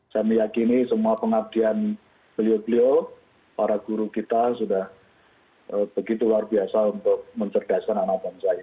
saya meyakini semua pengabdian beliau beliau para guru kita sudah begitu luar biasa untuk mencerdaskan anak bangsa ini